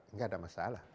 tidak ada masalah